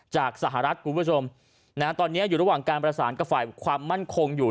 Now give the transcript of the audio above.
จากสหรัฐคุณผู้ชมตอนนี้อยู่ระหว่างการประสานกับฝ่ายความมั่นคงอยู่